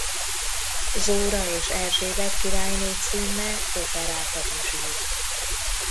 Zóra és Erzsébet királyné címmel operákat is írt.